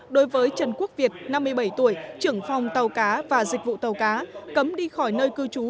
đối với trần quốc việt năm mươi bảy tuổi trưởng phòng tàu cá và dịch vụ tàu cá cấm đi khỏi nơi cư trú